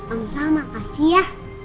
omsal makasih ya